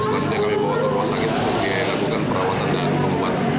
selanjutnya kami bawa ke rumah sakit untuk dilakukan perawatan dan keempat